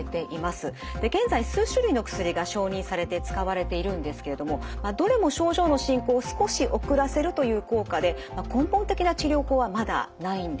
現在数種類の薬が承認されて使われているんですけれどもどれも症状の進行を少し遅らせるという効果で根本的な治療法はまだないんです。